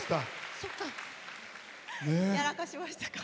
やらかしましたか？